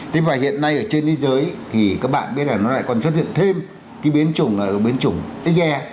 thế và hiện nay ở trên thế giới thì các bạn biết là nó lại còn xuất hiện thêm cái biến chủng là cái biến chủng xe